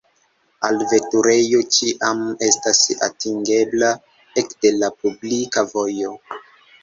Alveturejo ĉiam estas atingebla ekde la publika vojo.